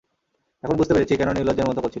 এখন বুঝতে পেরেছি, কেন নির্লজ্জের মতো করছিল।